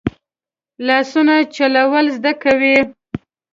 لاسونه چلول زده کوي